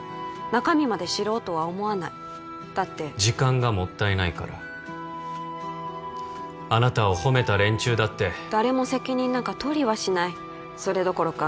中身まで知ろうとは思わないだって時間がもったいないからあなたを褒めた連中だって誰も責任なんか取りはしないそれどころか